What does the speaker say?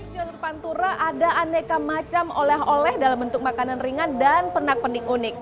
jalur pantura ada aneka macam oleh oleh dalam bentuk makanan ringan dan penak penik unik